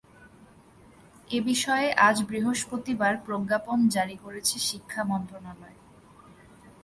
এ বিষয়ে আজ বৃহস্পতিবার প্রজ্ঞাপন জারি করেছে শিক্ষা মন্ত্রণালয়।